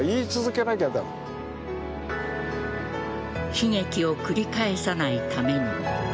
悲劇を繰り返さないために。